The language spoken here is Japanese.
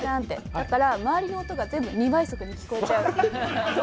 だから、周りの音が全部２倍速で聞こえちゃう。